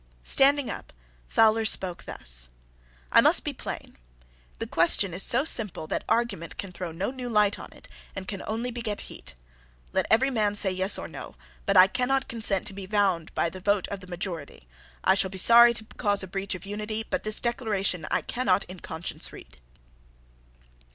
Standing up, Fowler spoke thus: "I must be plain. The question is so simple that argument can throw no new light on it, and can only beget heat. Let every man say Yes or No. But I cannot consent to be bound by the vote of the majority. I shall be sorry to cause a breach of unity. But this Declaration I cannot in conscience read."